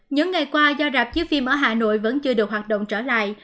những ngày qua do rạp chiếu phim ở hà nội vẫn chưa được hoạt động trở lại